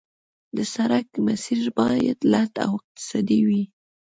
د سړک مسیر باید لنډ او اقتصادي وي